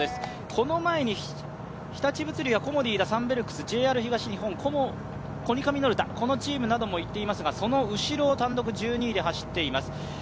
この前に日立物流、コモディイイダサンベルクス、ＪＲ東日本、コニカミノルタ、このチームなどもいっていますが、その後ろを単独１２位で走っています。